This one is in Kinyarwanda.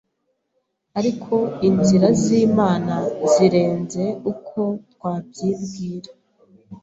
ariko inzira z’Imana zirenze uko twabyibwira.